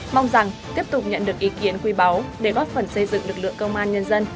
mong rằng tiếp tục nhận được ý kiến quý báu để góp phần xây dựng lực lượng công an nhân dân